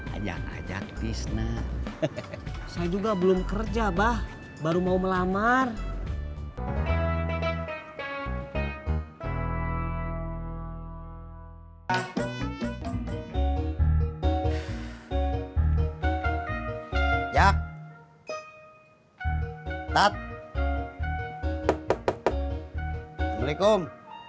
ajak ajak bisnis saya juga belum kerja bah baru mau melamar ya tetap assalamualaikum